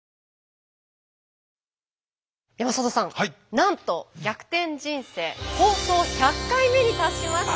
なんと「逆転人生」放送１００回目に達しました。